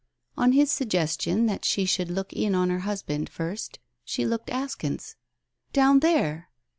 On his suggestion that she should look in) on her husband first she looked askance. "Down there!"